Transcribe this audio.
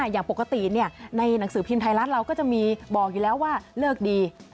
อย่างปกติในหนังสือพิมพ์ไทยรัฐเราก็จะมีบอกอยู่แล้วว่าเลิกดี